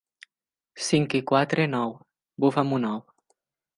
Cinc i quatre, nou. —Bufa'm un ou.